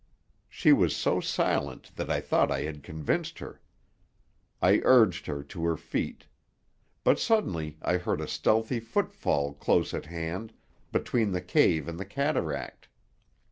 She was so silent that I thought I had convinced her. I urged her to her feet. But suddenly I heard a stealthy footfall close at hand, between the cave and the cataract.